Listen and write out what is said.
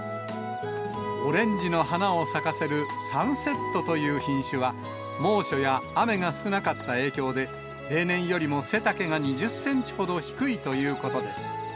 オレンジの花を咲かせるサンセットとという品種は、猛暑や雨が少なかった影響で、例年よりも背丈が２０センチほど低いということです。